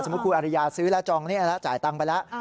สมมุติคุณอาริยาซื้อแล้วจองนี้แล้วจ่ายตังไปแล้ว